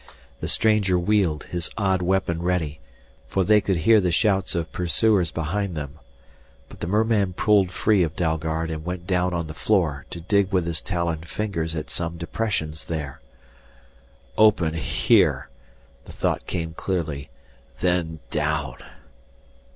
The stranger wheeled, his odd weapon ready, for they could hear the shouts of pursuers behind them. But the merman pulled free of Dalgard and went down on the floor to dig with his taloned fingers at some depressions there. "Open here," the thought came clearly, "then down!"